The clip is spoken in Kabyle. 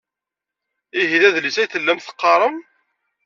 Ihi d adlis ay tellam teqqarem?